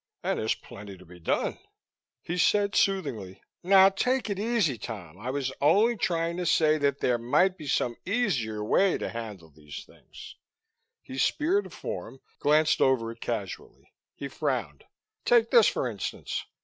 And there's plenty to be done." He said soothingly, "Now, take it easy, Tom. I was only trying to say that there might be some easier way to handle these things." He speared a form, glanced over it casually. He frowned. "Take this, for instance.